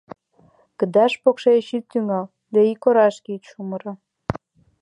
Кыдач-покшеч ит тӱҥал да ик орашке ит чумыро.